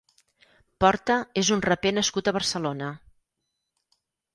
Porta és un raper nascut a Barcelona.